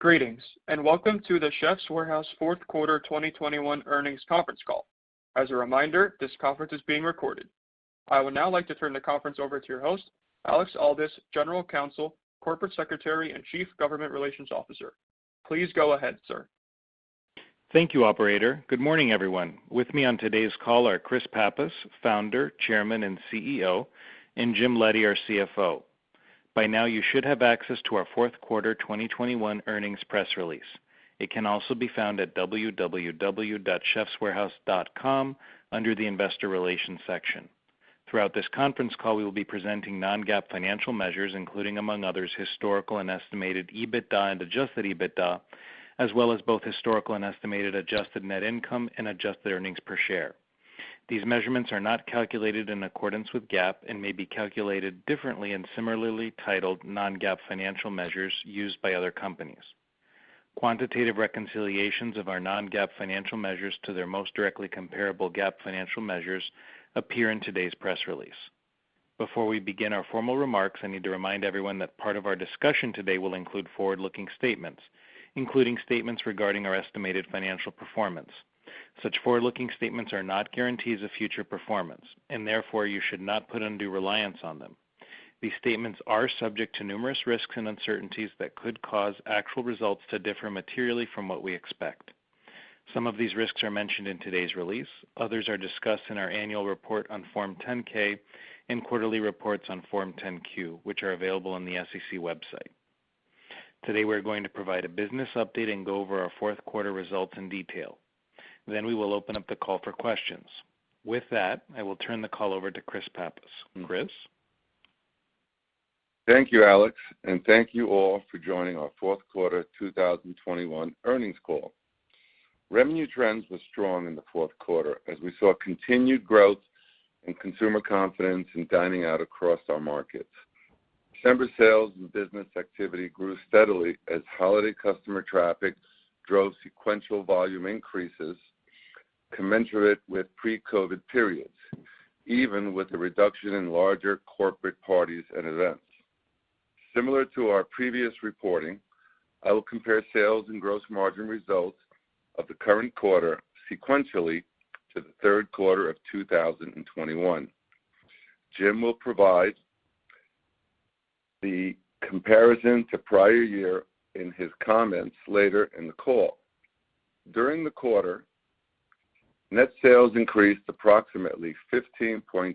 Greetings, and welcome to the Chefs' Warehouse Q4 2021 Earnings Conference Call. As a reminder, this conference is being recorded. I would now like to turn the conference over to your host, Alex Aldous, General Counsel, Corporate Secretary and Chief Government Relations Officer. Please go ahead, sir. Thank you, operator. Good morning, everyone. With me on today's call are Chris Pappas, Founder, Chairman, and CEO, and Jim Leddy, our CFO. By now, you should have access to our Q4 2021 earnings press release. It can also be found at www.chefswarehouse.com under the Investor Relations section. Throughout this conference call, we will be presenting non-GAAP financial measures, including among others, historical and estimated EBITDA and adjusted EBITDA, as well as both historical and estimated adjusted net income and adjusted earnings per share. These measurements are not calculated in accordance with GAAP and may be calculated differently in similarly titled non-GAAP financial measures used by other companies. Quantitative reconciliations of our non-GAAP financial measures to their most directly comparable GAAP financial measures appear in today's press release. Before we begin our formal remarks, I need to remind everyone that part of our discussion today will include forward-looking statements, including statements regarding our estimated financial performance. Such forward-looking statements are not guarantees of future performance, and therefore, you should not put undue reliance on them. These statements are subject to numerous risks and uncertainties that could cause actual results to differ materially from what we expect. Some of these risks are mentioned in today's release. Others are discussed in our annual report on Form 10-K and quarterly reports on Form 10-Q, which are available on the SEC website. Today, we're going to provide a business update and go over our Q4 results in detail. Then we will open up the call for questions. With that, I will turn the call over to Chris Pappas. Chris. Thank you, Alex, and thank you all for joining our Q4 2021 Earnings Call. Revenue trends were strong in the Q4 as we saw continued growth in consumer confidence in dining out across our markets. December sales and business activity grew steadily as holiday customer traffic drove sequential volume increases commensurate with pre-COVID periods, even with the reduction in larger corporate parties and events. Similar to our previous reporting, I will compare sales and gross margin results of the current quarter sequentially to the Q3 of 2021. Jim will provide the comparison to prior year in his comments later in the call. During the quarter, net sales increased approximately 15.3%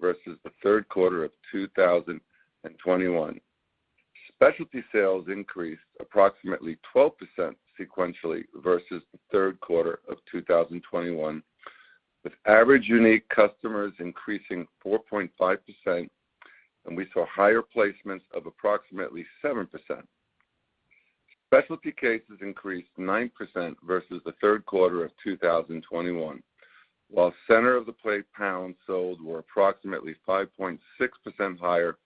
versus the Q3 of 2021. Specialty sales increased approximately 12% sequentially versus the Q3 of 2021, with average unique customers increasing 4.5%, and we saw higher placements of approximately 7%. Specialty cases increased 9% versus the Q3 of 2021, while center of the plate pounds sold were approximately 5.6% higher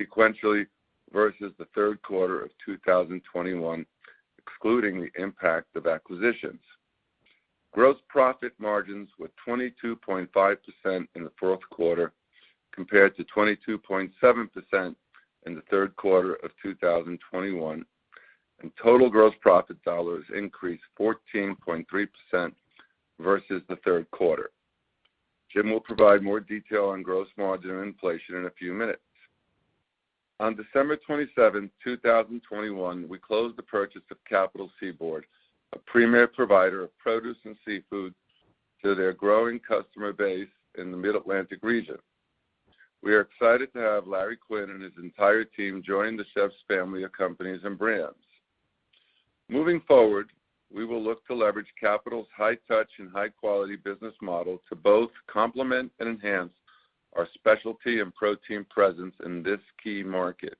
sequentially versus the Q3 of 2021, excluding the impact of acquisitions. Gross profit margins were 22.5% in the Q4 compared to 22.7% in the Q3 of 2021, and total gross profit dollars increased 14.3% versus the Q3. Jim will provide more detail on gross margin inflation in a few minutes. On December 27th, 2021, we closed the purchase of Capital Seaboard, a premier provider of produce and seafood to their growing customer base in the Mid-Atlantic region. We are excited to have Larry Quinn and his entire team join the Chefs family of companies and brands. Moving forward, we will look to leverage Capital's high touch and high-quality business model to both complement and enhance our specialty and protein presence in this key market.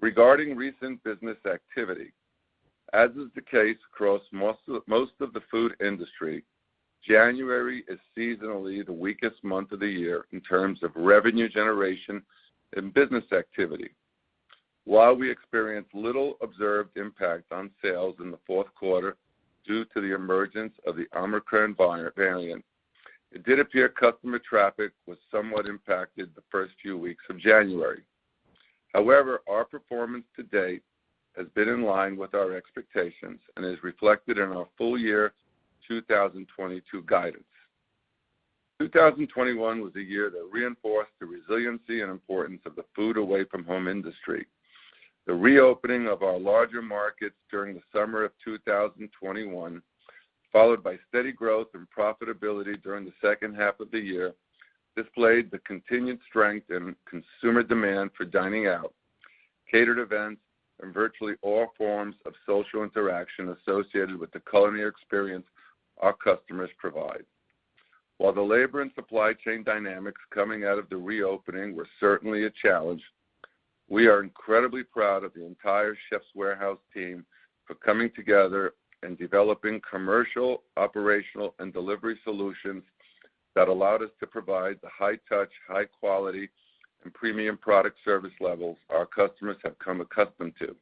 Regarding recent business activity, as is the case across most of the food industry, January is seasonally the weakest month of the year in terms of revenue generation and business activity. While we experienced little observed impact on sales in the Q4 due to the emergence of the Omicron variant, it did appear customer traffic was somewhat impacted the first few weeks of January. However, our performance to date has been in line with our expectations and is reflected in our full year 2022 guidance. 2021 was a year that reinforced the resiliency and importance of the food away from home industry. The reopening of our larger markets during the summer of 2021, followed by steady growth and profitability during the H2 of the year, displayed the continued strength in consumer demand for dining out, catered events, and virtually all forms of social interaction associated with the culinary experience our customers provide. While the labor and supply chain dynamics coming out of the reopening were certainly a challenge, we are incredibly proud of the entire Chefs' Warehouse team for coming together and developing commercial, operational, and delivery solutions that allowed us to provide the high touch, high quality, and premium product service levels our customers have come accustomed to.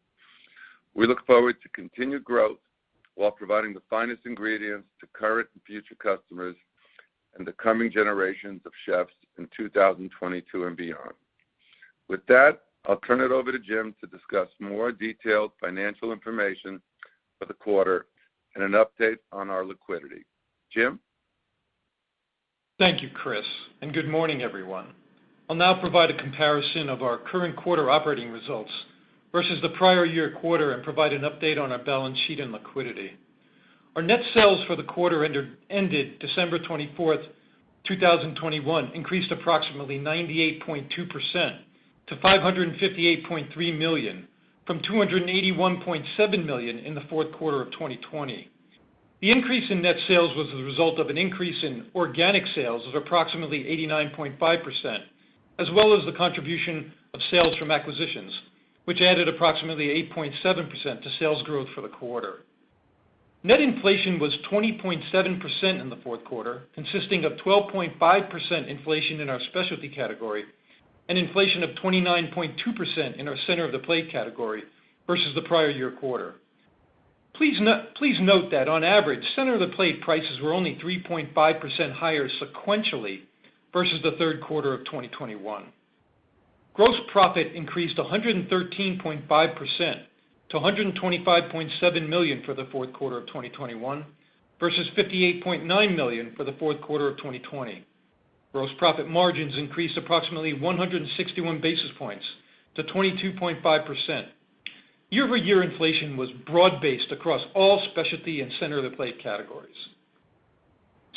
We look forward to continued growth while providing the finest ingredients to current and future customers and the coming generations of chefs in 2022 and beyond. With that, I'll turn it over to Jim to discuss more detailed financial information for the quarter and an update on our liquidity. Jim? Thank you, Chris, and good morning, everyone. I'll now provide a comparison of our current quarter operating results versus the prior year quarter and provide an update on our balance sheet and liquidity. Our net sales for the quarter ended December 24th, 2021 increased approximately 98.2% to $558.3 million, from $281.7 million in the Q4 of 2020. The increase in net sales was the result of an increase in organic sales of approximately 89.5%, as well as the contribution of sales from acquisitions, which added approximately 8.7% to sales growth for the quarter. Net inflation was 20.7% in the Q4, consisting of 12.5% inflation in our specialty category and inflation of 29.2% in our center of the plate category versus the prior year quarter. Please note that on average, center of the plate prices were only 3.5% higher sequentially versus the Q3 of 2021. Gross profit increased 113.5% to $125.7 million for the Q4 of 2021 versus $58.9 million for the Q4 of 2020. Gross profit margins increased approximately 161 basis points to 22.5%. Year-over-year inflation was broad-based across all specialty and center of the plate categories.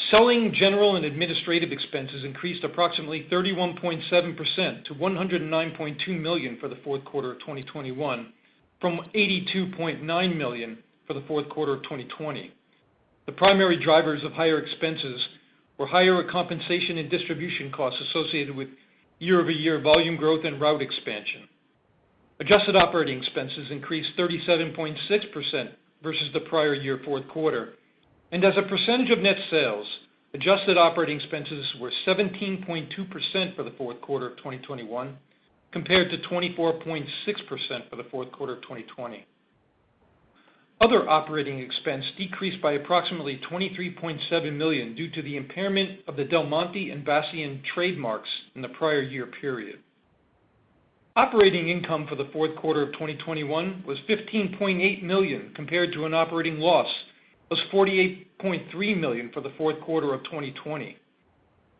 Selling, general, and administrative expenses increased approximately 31.7% to $109.2 million for the Q4 of 2021 from $82.9 million for the Q4 of 2020. The primary drivers of higher expenses were higher compensation and distribution costs associated with year-over-year volume growth and route expansion. Adjusted operating expenses increased 37.6% versus the prior year Q4. As a percentage of net sales, adjusted operating expenses were 17.2% for the Q4 of 2021 compared to 24.6% for the Q4 of 2020. Other operating expense decreased by approximately $23.7 million due to the impairment of the Del Monte and Bassian trademarks in the prior year period. Operating income for the Q4 of 2021 was $15.8 million compared to an operating loss of $48.3 million for the Q4 of 2020.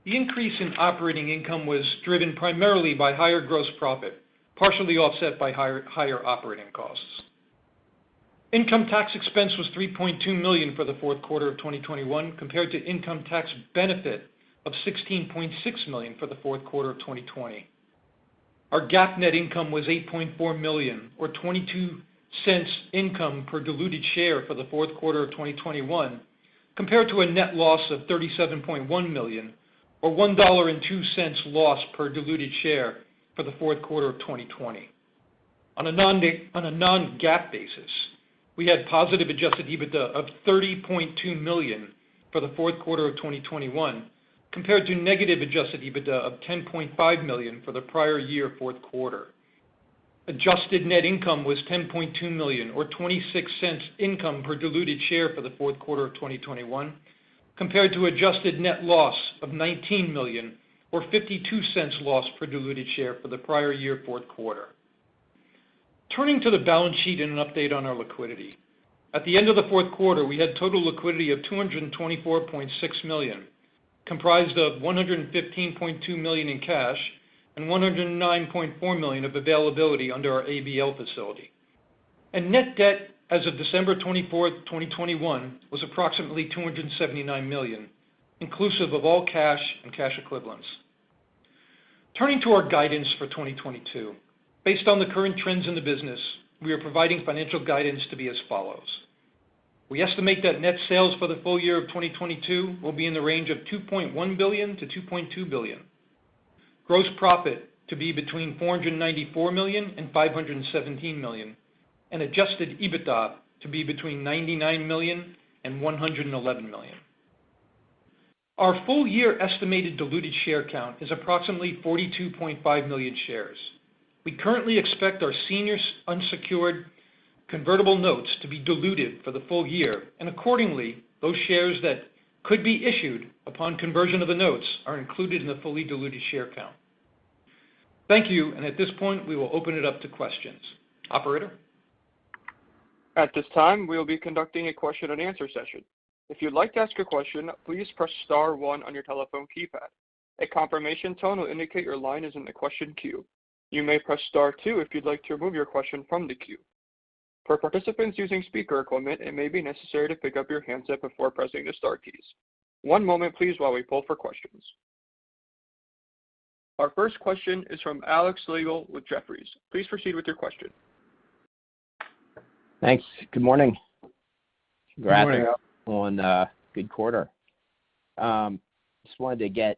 The increase in operating income was driven primarily by higher gross profit, partially offset by higher operating costs. Income tax expense was $3.2 million for the Q4 of 2021 compared to income tax benefit of $16.6 million for the Q4 of 2020. Our GAAP net income was $8.4 million, or $0.22 income per diluted share for the Q4 of 2021 compared to a net loss of $37.1 million, or $1.02 loss per diluted share for the Q4 of 2020. On a non-GAAP basis, we had positive adjusted EBITDA of $30.2 million for the Q4 of 2021 compared to negative adjusted EBITDA of $10.5 million for the prior year Q4. Adjusted net income was $10.2 million or $0.26 income per diluted share for the Q4 of 2021 compared to adjusted net loss of $19 million or $0.52 loss per diluted share for the prior year Q4. Turning to the balance sheet and an update on our liquidity. At the end of the Q4, we had total liquidity of $224.6 million, comprised of $115.2 million in cash and $109.4 million of availability under our ABL facility. Net debt as of December 24th, 2021 was approximately $279 million, inclusive of all cash and cash equivalents. Turning to our guidance for 2022. Based on the current trends in the business, we are providing financial guidance to be as follows. We estimate that net sales for the full year of 2022 will be in the range of $2.1 billion-$2.2 billion. Gross profit to be between $494 million-$517 million. Adjusted EBITDA to be between $99 million-$111 million. Our full year estimated diluted share count is approximately 42.5 million shares. We currently expect our senior unsecured convertible notes to be diluted for the full year, and accordingly, those shares that could be issued upon conversion of the notes are included in the fully diluted share count. Thank you. At this point, we will open it up to questions. Operator? At this time, we will be conducting a question and answer session. If you'd like to ask a question, please press star one on your telephone keypad. A confirmation tone will indicate your line is in the question queue. You may press star two if you'd like to remove your question from the queue. For participants using speaker equipment, it may be necessary to pick up your handset before pressing the star keys. One moment please while we pull for questions. Our first question is from Alex Slagle with Jefferies. Please proceed with your question. Thanks. Good morning. Good morning. Wrapping up on a good quarter. Just wanted to get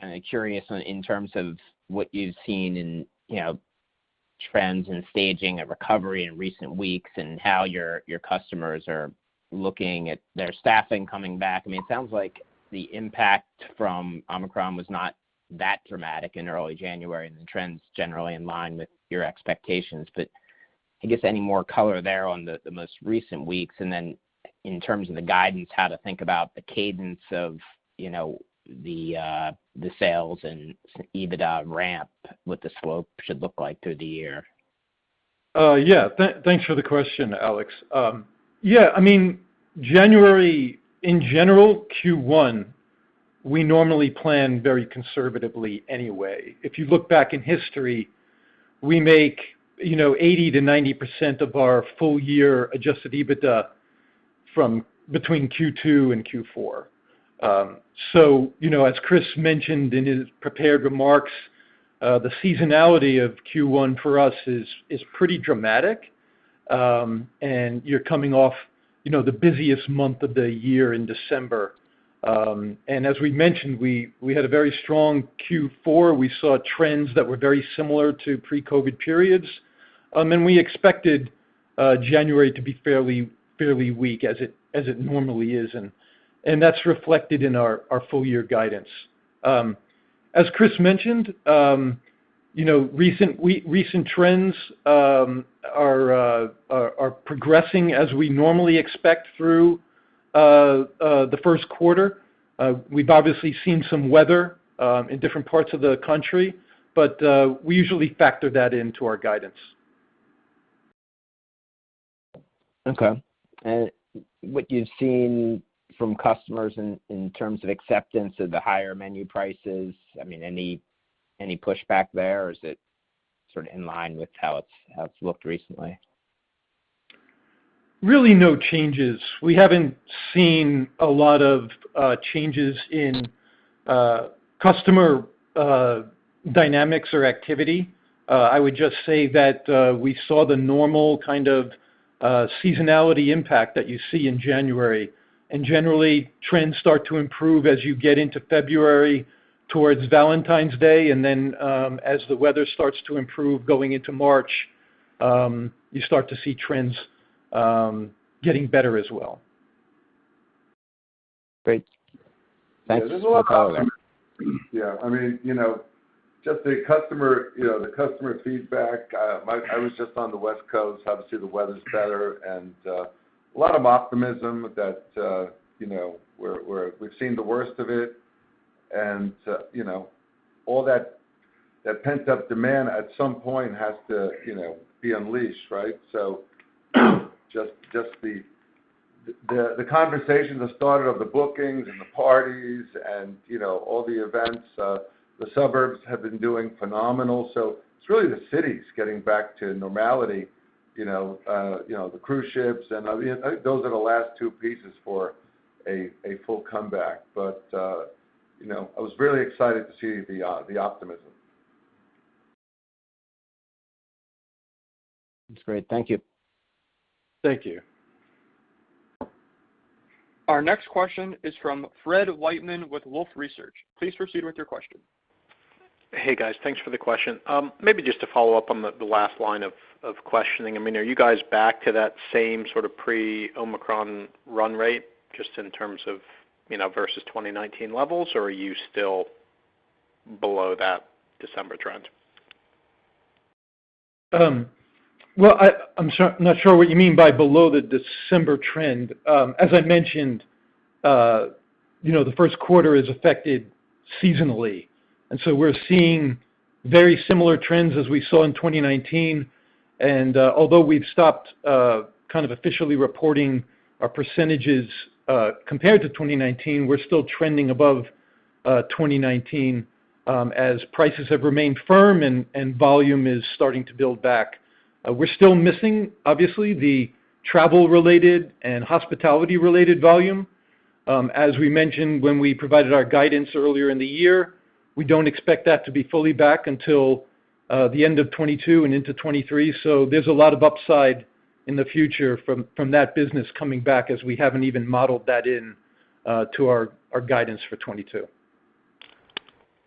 kind of curious on in terms of what you've seen in, you know, trends and staging a recovery in recent weeks and how your customers are looking at their staffing coming back. I mean, it sounds like the impact from Omicron was not. That dramatic in early January, and the trend's generally in line with your expectations. I guess any more color there on the most recent weeks, and then in terms of the guidance, how to think about the cadence of, you know, the sales and EBITDA ramp, what the slope should look like through the year. Thanks for the question, Alex. Yeah, I mean, January in general Q1, we normally plan very conservatively anyway. If you look back in history, we make, you know, 80%-90% of our full year adjusted EBITDA from between Q2 and Q4. You know, as Chris mentioned in his prepared remarks, the seasonality of Q1 for us is pretty dramatic. You're coming off, you know, the busiest month of the year in December. As we mentioned, we had a very strong Q4. We saw trends that were very similar to pre-COVID periods. We expected January to be fairly weak as it normally is, and that's reflected in our full year guidance. As Chris mentioned, you know, recent trends are progressing as we normally expect through the Q1. We've obviously seen some weather in different parts of the country, but we usually factor that into our guidance. Okay. What you've seen from customers in terms of acceptance of the higher menu prices, I mean, any pushback there? Or is it sort of in line with how it's looked recently? Really no changes. We haven't seen a lot of changes in customer dynamics or activity. I would just say that we saw the normal kind of seasonality impact that you see in January. Generally, trends start to improve as you get into February towards Valentine's Day, and then, as the weather starts to improve going into March, you start to see trends getting better as well. Great. Thanks. Yeah. There's a lot of customers. Yeah. I mean, you know, just the customer, you know, the customer feedback. I was just on the West Coast, obviously the weather's better and a lot of optimism that you know, we've seen the worst of it. You know, all that pent-up demand at some point has to you know, be unleashed, right? Just the conversation, the start of the bookings and the parties and you know, all the events, the suburbs have been doing phenomenal. It's really the cities getting back to normality, you know, the cruise ships and I mean, those are the last two pieces for a full comeback. You know, I was really excited to see the optimism. That's great. Thank you. Thank you. Our next question is from Fred Wightman with Wolfe Research. Please proceed with your question. Hey, guys. Thanks for the question. Maybe just to follow up on the last line of questioning. I mean, are you guys back to that same sort of pre-Omicron run rate, just in terms of, you know, versus 2019 levels, or are you still below that December trend? Well, I'm not sure what you mean by below the December trend. As I mentioned, you know, the Q1 is affected seasonally, and so we're seeing very similar trends as we saw in 2019. Although we've stopped kind of officially reporting our percentages compared to 2019, we're still trending above 2019 as prices have remained firm and volume is starting to build back. We're still missing, obviously, the travel-related and hospitality-related volume. As we mentioned when we provided our guidance earlier in the year, we don't expect that to be fully back until the end of 2022 and into 2023. There's a lot of upside in the future from that business coming back, as we haven't even modeled that in to our guidance for 2022.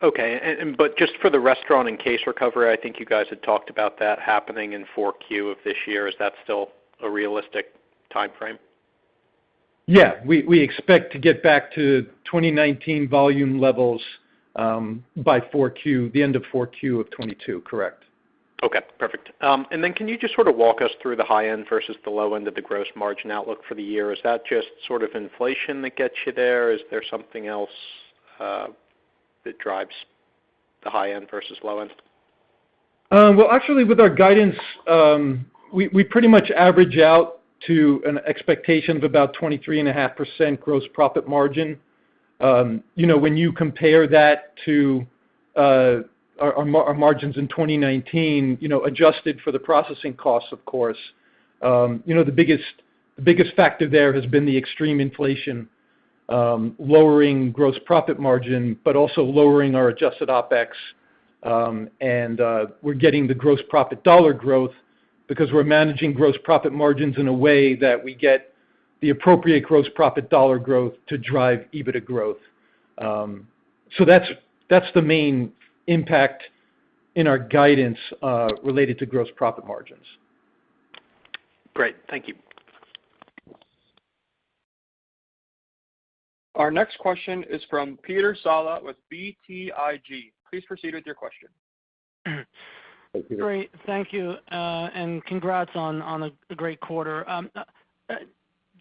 Okay. Just for the restaurant and case recovery, I think you guys had talked about that happening in Q4 of this year. Is that still a realistic timeframe? We expect to get back to 2019 volume levels by Q4, the end of Q4 of 2022. Correct. Okay, perfect. Can you just sort of walk us through the high end versus the low end of the gross margin outlook for the year? Is that just sort of inflation that gets you there? Is there something else that drives the high end versus low end? Well, actually with our guidance, we pretty much average out to an expectation of about 23.5% gross profit margin. You know, when you compare that to our margins in 2019, you know, adjusted for the processing costs, of course, you know, the biggest factor there has been the extreme inflation, lowering gross profit margin, but also lowering our adjusted OpEx. We're getting the gross profit dollar growth because we're managing gross profit margins in a way that we get the appropriate gross profit dollar growth to drive EBITDA growth. So that's the main impact in our guidance related to gross profit margins. Great. Thank you. Our next question is from Peter Saleh with BTIG. Please proceed with your question. Great. Thank you. Congrats on a great quarter.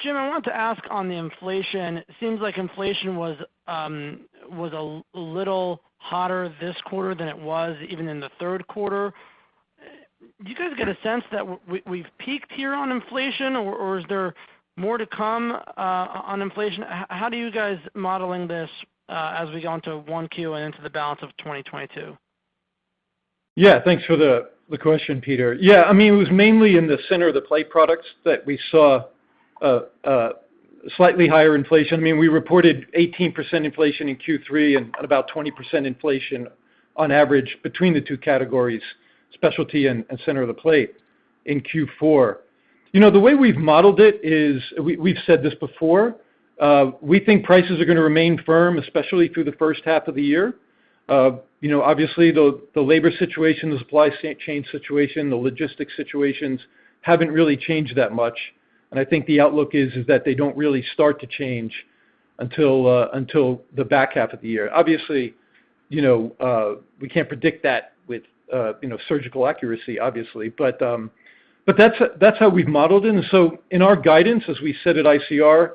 Jim, I wanted to ask on the inflation. It seems like inflation was a little hotter this quarter than it was even in the Q3. Do you guys get a sense that we've peaked here on inflation or is there more to come on inflation? How do you guys modeling this as we go into Q1 and into the balance of 2022? Yeah, thanks for the question, Peter. Yeah, I mean, it was mainly in the center of the plate products that we saw slightly higher inflation. I mean, we reported 18% inflation in Q3 and about 20% inflation on average between the two categories, specialty and center of the plate in Q4. You know, the way we've modeled it is we've said this before, we think prices are gonna remain firm, especially through the H1 of the year. You know, obviously, the labor situation, the supply chain situation, the logistics situations haven't really changed that much. I think the outlook is that they don't really start to change until the back half of the year. Obviously, you know, we can't predict that with you know, surgical accuracy, obviously. That's how we've modeled. In our guidance, as we said at ICR,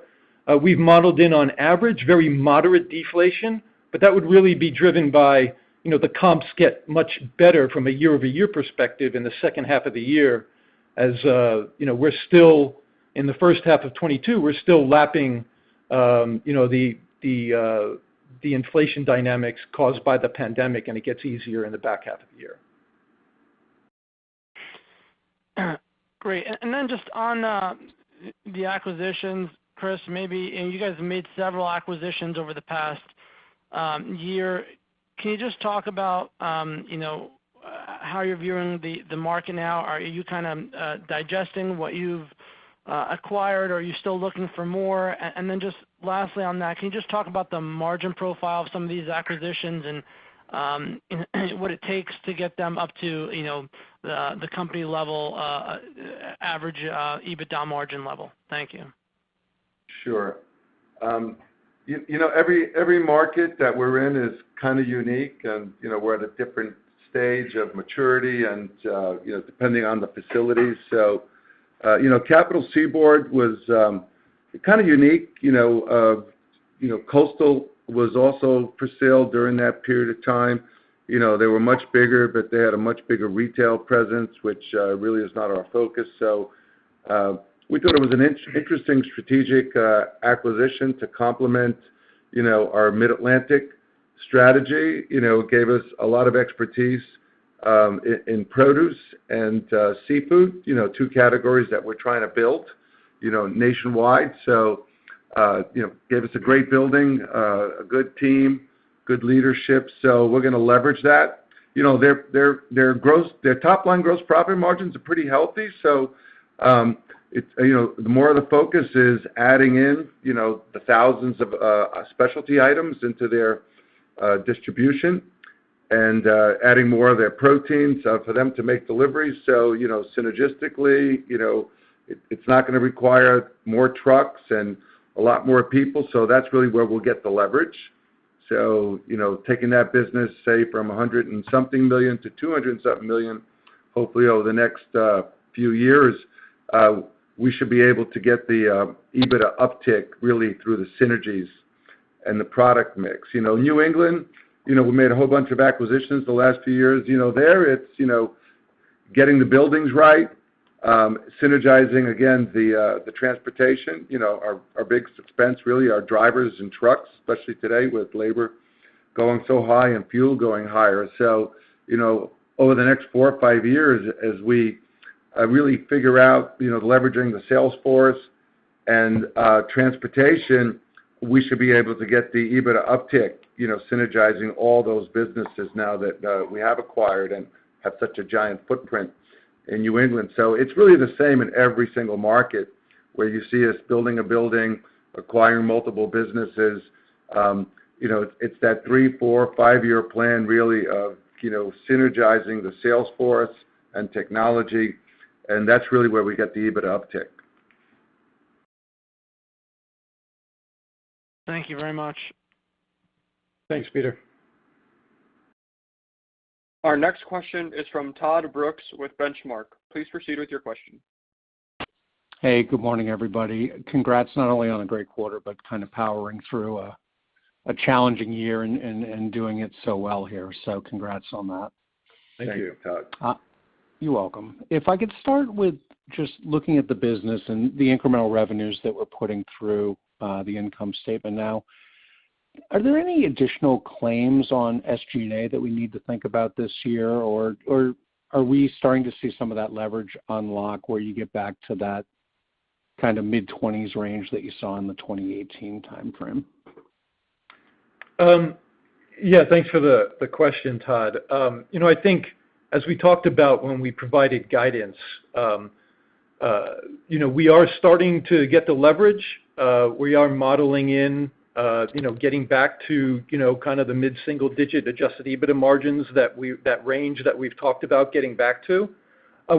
we've modeled in on average very moderate deflation, but that would really be driven by, you know, the comps get much better from a year-over-year perspective in the H2 of the year. As you know, we're still in the H1 of 2022, we're still lapping you know the inflation dynamics caused by the pandemic, and it gets easier in the back half of the year. Great. Just on the acquisitions, Chris, maybe and you guys have made several acquisitions over the past year. Can you just talk about you know how you're viewing the market now? Are you kind of digesting what you've acquired, or are you still looking for more? Just lastly on that, can you just talk about the margin profile of some of these acquisitions and what it takes to get them up to you know the company level average EBITDA margin level? Thank you. Sure. You know, every market that we're in is kind of unique, and you know, we're at a different stage of maturity, and you know, depending on the facilities. You know, Capital Seaboard was kind of unique, you know, Coastal was also for sale during that period of time. You know, they were much bigger, but they had a much bigger retail presence, which really is not our focus. We thought it was an interesting strategic acquisition to complement, you know, our Mid-Atlantic strategy. You know, it gave us a lot of expertise in produce and seafood, you know, two categories that we're trying to build, you know, nationwide, gave us a great building, a good team, good leadership, so we're gonna leverage that. You know, their gross—their top line gross profit margins are pretty healthy. It's more of the focus is adding in the thousands of specialty items into their distribution and adding more of their proteins for them to make deliveries. Synergistically, it's not gonna require more trucks and a lot more people. That's really where we'll get the leverage. Taking that business, say, from $100-something million to $200-something million, hopefully over the next few years, we should be able to get the EBITDA uptick really through the synergies and the product mix. New England, we made a whole bunch of acquisitions the last few years. You know, there it's you know, getting the buildings right, synergizing again the transportation. You know, our big expense really are drivers and trucks, especially today with labor going so high and fuel going higher. Over the next four or five years, as we really figure out you know, leveraging the sales force and transportation, we should be able to get the EBITDA uptick, you know, synergizing all those businesses now that we have acquired and have such a giant footprint in New England. It's really the same in every single market where you see us building a building, acquiring multiple businesses. You know, it's that three, four, five-year plan really of you know, synergizing the sales force and technology, and that's really where we get the EBITDA uptick. Thank you very much. Thanks, Peter. Our next question is from Todd Brooks with Benchmark. Please proceed with your question. Hey, good morning, everybody. Congrats, not only on a great quarter, but kind of powering through a challenging year and doing it so well here. Congrats on that. Thank you, Todd. You're welcome. If I could start with just looking at the business and the incremental revenues that we're putting through the income statement now. Are there any additional claims on SG&A that we need to think about this year? Are we starting to see some of that leverage unlock where you get back to that kind of mid-20s range that you saw in the 2018 timeframe? Yeah, thanks for the question, Todd. You know, I think as we talked about when we provided guidance, you know, we are starting to get the leverage. We are modeling in you know, getting back to, you know, kind of the mid-single digit adjusted EBITDA margins that range that we've talked about getting back to.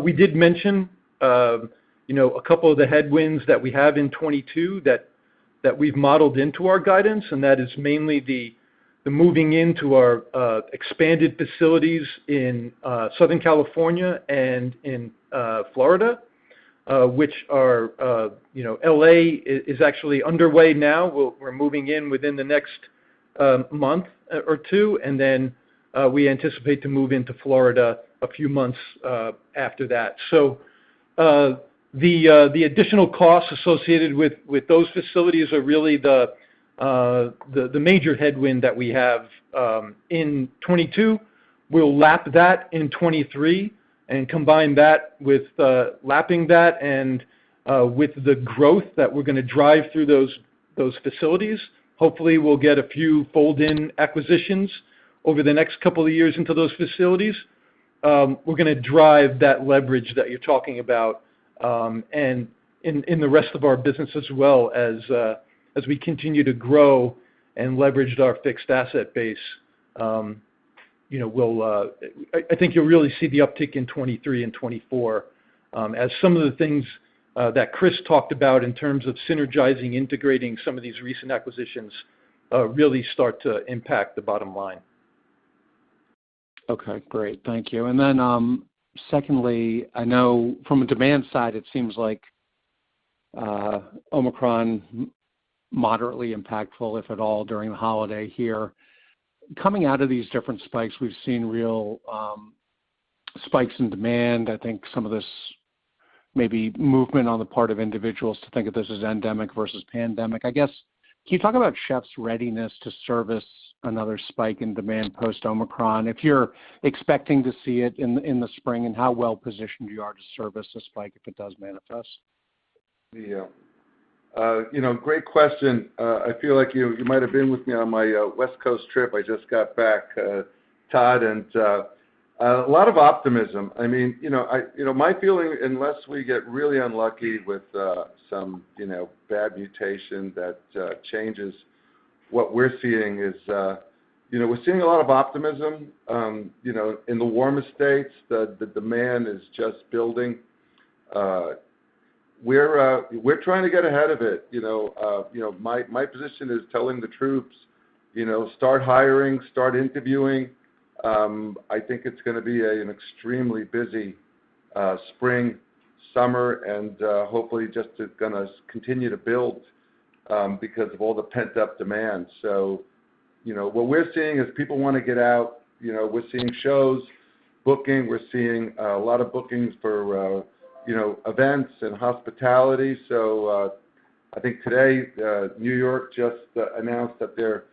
We did mention, you know, a couple of the headwinds that we have in 2022 that we've modeled into our guidance, and that is mainly the moving into our expanded facilities in Southern California and in Florida, which are, you know, L.A. is actually underway now. We're moving in within the next month or two, and then we anticipate to move into Florida a few months after that. The additional costs associated with those facilities are really the major headwind that we have in 2022. We'll lap that in 2023, and combine that with lapping that and with the growth that we're gonna drive through those facilities. Hopefully, we'll get a few fold-in acquisitions over the next couple of years into those facilities. We're gonna drive that leverage that you're talking about, and in the rest of our business as well as we continue to grow and leverage our fixed asset base. You know, I think you'll really see the uptick in 2023 and 2024, as some of the things that Chris talked about in terms of synergizing, integrating some of these recent acquisitions, really start to impact the bottom line. Okay. Great. Thank you. Secondly, I know from a demand side it seems like Omicron moderately impactful, if at all, during the holiday here. Coming out of these different spikes, we've seen real spikes in demand. I think some of this maybe movement on the part of individuals to think of this as endemic versus pandemic. I guess, can you talk about Chefs' readiness to service another spike in demand post Omicron, if you're expecting to see it in the spring and how well-positioned you are to service a spike if it does manifest? Yeah. You know, great question. I feel like you might have been with me on my West Coast trip. I just got back, Todd, and a lot of optimism. I mean, you know, my feeling, unless we get really unlucky with some bad mutation that changes what we're seeing is, you know, we're seeing a lot of optimism in the warmer states. The demand is just building. We're trying to get ahead of it, you know. You know, my position is telling the troops, you know, start hiring, start interviewing. I think it's gonna be an extremely busy spring, summer and hopefully just is gonna continue to build because of all the pent-up demand. You know, what we're seeing is people wanna get out. You know, we're seeing shows booking. We're seeing a lot of bookings for, you know, events and hospitality. I think today, New York just announced that they're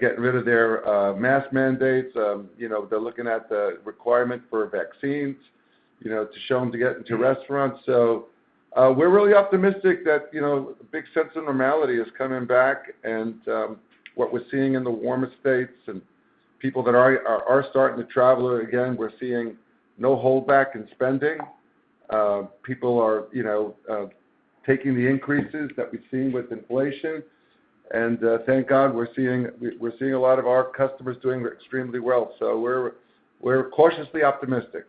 getting rid of their mask mandates. You know, they're looking at the requirement for vaccines, you know, to show them to get into restaurants. We're really optimistic that, you know, a big sense of normality is coming back. What we're seeing in the warmer states and people that are starting to travel again, we're seeing no holdback in spending. People are, you know, taking the increases that we've seen with inflation. Thank God we're seeing a lot of our customers doing extremely well. We're cautiously optimistic.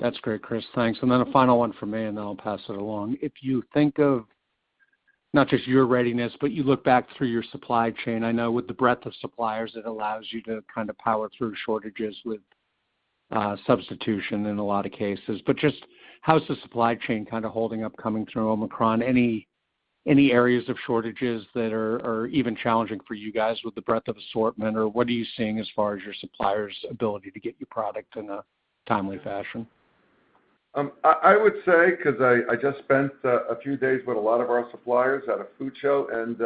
That's great, Chris. Thanks. A final one from me, and then I'll pass it along. If you think of not just your readiness, but you look back through your supply chain, I know with the breadth of suppliers, it allows you to kind of power through shortages with substitution in a lot of cases. But just how's the supply chain kinda holding up coming through Omicron? Any areas of shortages that are even challenging for you guys with the breadth of assortment, or what are you seeing as far as your suppliers' ability to get you product in a timely fashion? I would say, 'cause I just spent a few days with a lot of our suppliers at a food show, and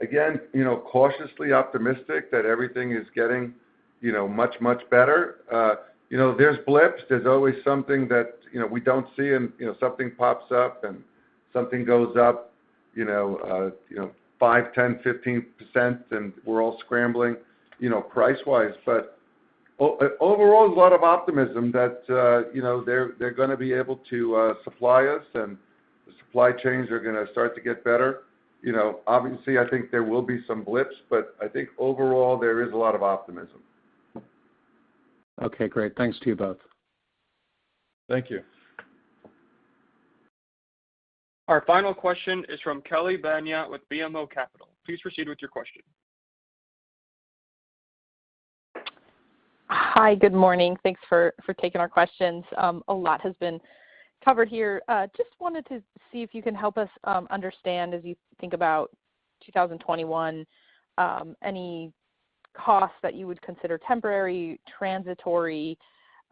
again, you know, cautiously optimistic that everything is getting, you know, much better. You know, there's blips. There's always something that, you know, we don't see and, you know, something pops up and something goes up, you know, 5%, 10, 15%, and we're all scrambling, you know, price-wise. But overall, a lot of optimism that, you know, they're gonna be able to supply us, and the supply chains are gonna start to get better. You know, obviously, I think there will be some blips, but I think overall there is a lot of optimism. Okay. Great. Thanks to you both. Thank you. Our final question is from Kelly Bania with BMO Capital. Please proceed with your question. Hi. Good morning. Thanks for taking our questions. A lot has been covered here. Just wanted to see if you can help us understand, as you think about 2021, any costs that you would consider temporary, transitory,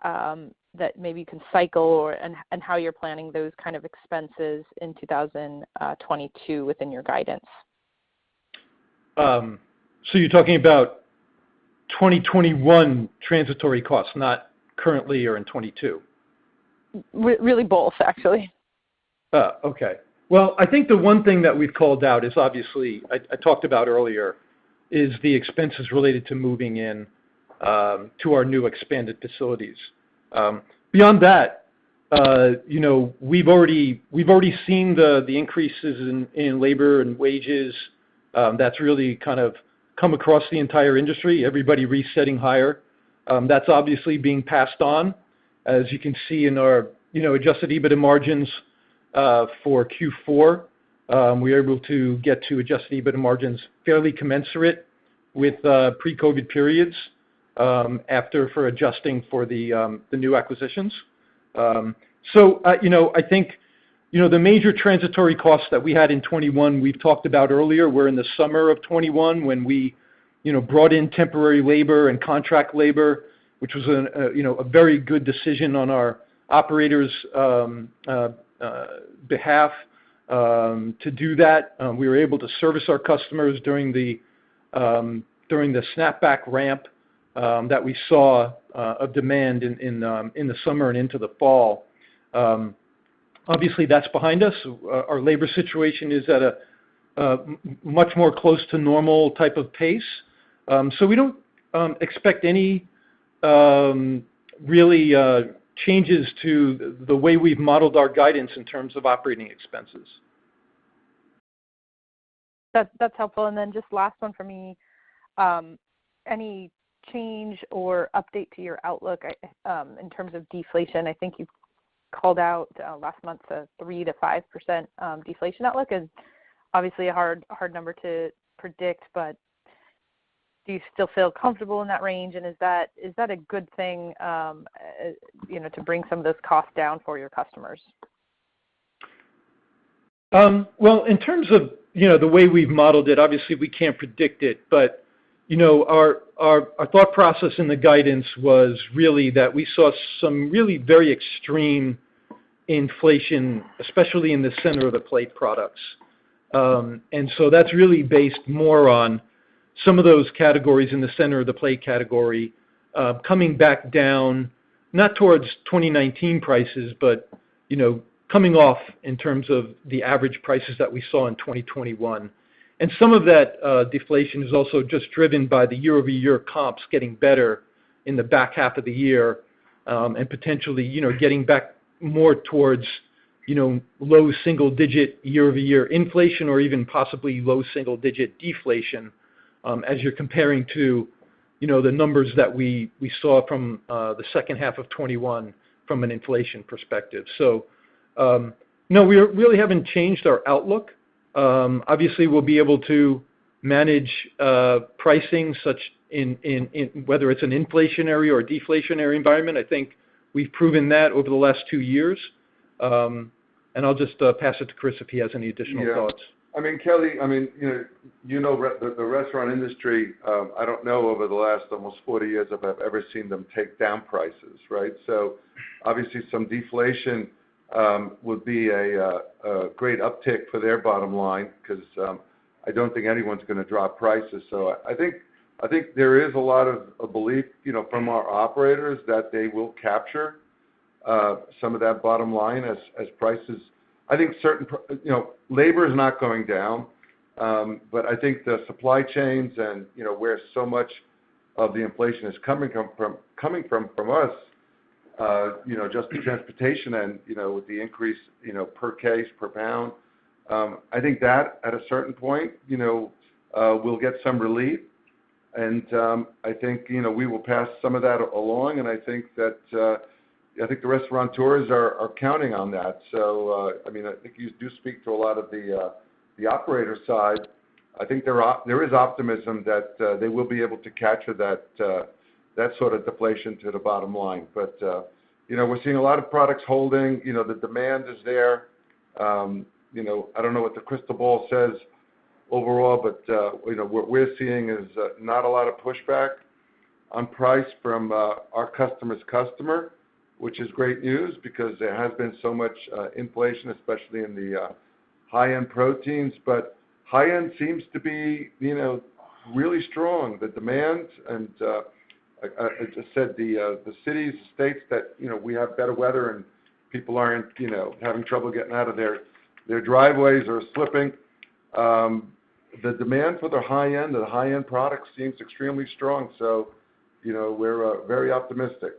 that maybe you can cycle or and how you're planning those kind of expenses in 2022 within your guidance. You're talking about 2021 transitory costs, not currently or in 2022? Really both, actually. Oh, okay. Well, I think the one thing that we've called out is obviously, I talked about earlier, is the expenses related to moving in to our new expanded facilities. Beyond that, you know, we've already seen the increases in labor and wages, that's really kind of come across the entire industry, everybody resetting higher. That's obviously being passed on. As you can see in our, you know, adjusted EBITDA margins for Q4, we are able to get to adjusted EBITDA margins fairly commensurate with pre-COVID periods, after adjusting for the new acquisitions. You know, I think you know, the major transitory costs that we had in 2021, we've talked about earlier, were in the summer of 2021 when we you know, brought in temporary labor and contract labor, which was a very good decision on our operators' behalf to do that. We were able to service our customers during the snapback ramp that we saw of demand in the summer and into the fall. Obviously, that's behind us. Our labor situation is at a much more close to normal type of pace. We don't expect any really changes to the way we've modeled our guidance in terms of operating expenses. That's helpful. Just last one from me. Any change or update to your outlook in terms of deflation? I think you called out last month a 3%-5% deflation outlook, and obviously a hard number to predict. Do you still feel comfortable in that range? Is that a good thing, you know, to bring some of those costs down for your customers? Well, in terms of, you know, the way we've modeled it, obviously we can't predict it. You know, our thought process in the guidance was really that we saw some really very extreme inflation, especially in the center of the plate products. That's really based more on some of those categories in the center of the plate category, coming back down, not towards 2019 prices, but, you know, coming off in terms of the average prices that we saw in 2021. Some of that deflation is also just driven by the year-over-year comps getting better in the back half of the year and potentially, you know, getting back more towards, you know, low single digit year-over-year inflation or even possibly low single digit deflation as you're comparing to, you know, the numbers that we saw from the H2 of 2021 from an inflation perspective. No, we really haven't changed our outlook. Obviously we'll be able to manage pricing whether it's an inflationary or a deflationary environment. I think we've proven that over the last two years. I'll just pass it to Chris if he has any additional thoughts. Yeah. I mean, Kelly, you know, the restaurant industry, I don't know over the last almost 40 years if I've ever seen them take down prices, right? So obviously some deflation would be a great uptick for their bottom line because I don't think anyone's gonna drop prices. So I think there is a lot of belief, you know, from our operators that they will capture some of that bottom line as prices. I think certain. You know, labor is not going down. I think the supply chains and, you know, where so much of the inflation is coming from us, you know, just the transportation and, you know, the increase, you know, per case, per pound. I think that at a certain point, you know, will get some relief. I think, you know, we will pass some of that along, and I think that the restaurateurs are counting on that. I mean, I think you do speak to a lot of the operator side. I think there is optimism that they will be able to capture that sort of deflation to the bottom line. You know, we're seeing a lot of products holding, you know, the demand is there. You know, I don't know what the crystal ball says overall, but you know, what we're seeing is not a lot of pushback on price from our customer's customer, which is great news because there has been so much inflation, especially in the high-end proteins. High-end seems to be you know, really strong. The demand and like I just said, the cities, states that you know, we have better weather and people aren't you know, having trouble getting out of their driveways or slipping. The demand for the high-end products seems extremely strong. You know, we're very optimistic.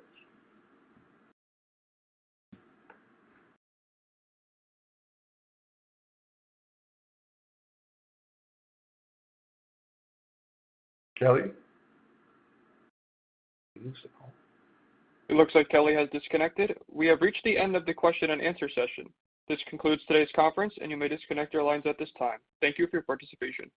Kelly? It looks like Kelly has disconnected. We have reached the end of the question and answer session. This concludes today's conference, and you may disconnect your lines at this time. Thank you for your participation.